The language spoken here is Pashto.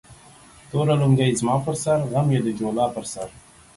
توره لنگۍ زما پر سر ، غم يې د جولا پر سر